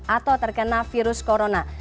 atau terkena virus corona